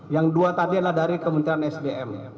yang dua tadi adalah dari kementerian sdm